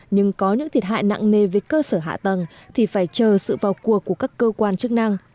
nhưng có những thiệt hại nặng nề về cơ sở hạ tầng thì phải chờ sự vào cuộc của các cơ quan chức năng